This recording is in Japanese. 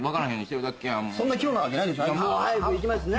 もう早く行きますね。